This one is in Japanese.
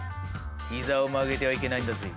膝を曲げてはいけないんだぜ。